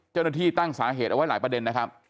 เจ้าหน้าที่ตั้งสาเหตุเอาไว้หลายประเด็นนะครับ